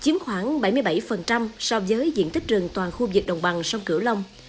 chiếm khoảng bảy mươi bảy so với diện tích rừng toàn khu vực đồng bằng sông cửu long